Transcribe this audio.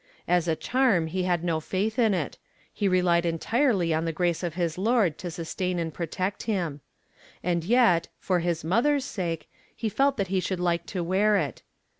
As a charm he had no faith in it; he relied entirely on the grace of his Lord to sustain and protect him. And yet, for his mother's sake, he felt that he should like to wear it.